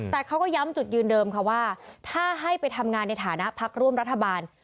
แต่เขาก็ย้ำจุดยืนเดิมค่ะว่าถ้าให้ไปทำงานในฐานะพักร่วมรัฐบาล